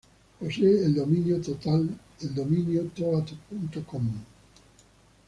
Posee el dominio toad.com.